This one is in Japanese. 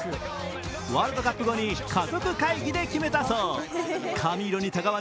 ワールドカップ後に家族会議で決めたそう。